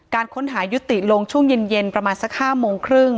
การค้นหายุติลงช่วงเย็นประมาณสัก๕โมงครึ่ง